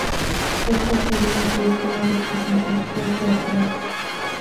Esta sería su última representación teatral.